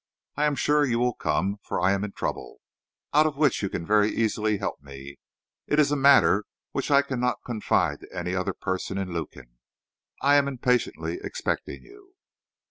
I am sure you will come, for I am in trouble, out of which you can very easily help me. It is a matter which I cannot confide to any other person in Lukin. I am impatiently expecting you.